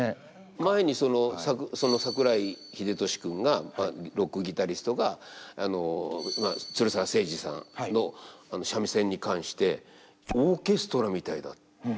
前にその桜井秀俊君がロックギタリストが鶴澤清治さんの三味線に関してオーケストラみたいだって言ったんですよ。